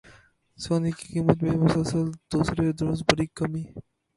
سونے کی قیمت میں مسلسل دوسرے روز بڑی کمی